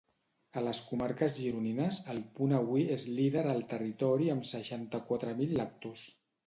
A les comarques gironines, El Punt Avui és líder al territori amb seixanta-quatre mil lectors.